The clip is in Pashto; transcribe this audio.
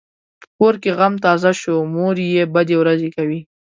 په کور کې غم تازه شو؛ مور یې بدې ورځې کوي.